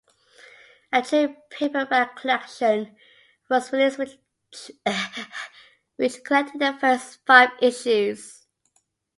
A trade paperback collection was released, which collected the first five issues.